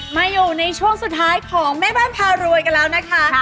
มาอยู่ในช่วงสุดท้ายของแม่บ้านพารวยกันแล้วนะคะ